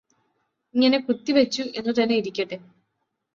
ഇങ്ങനെ കുത്തിവെച്ചു എന്നു തന്നെ ഇരിക്കട്ടെ